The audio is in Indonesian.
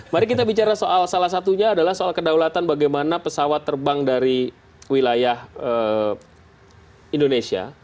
mari kita bicara soal salah satunya adalah soal kedaulatan bagaimana pesawat terbang dari wilayah indonesia